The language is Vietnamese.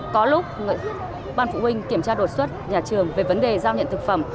có lúc ban phụ huynh kiểm tra đột xuất nhà trường về vấn đề giao nhận thực phẩm